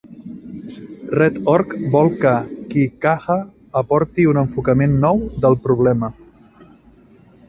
Red Orc vol que Kickaha aporti un enfocament nou del problema.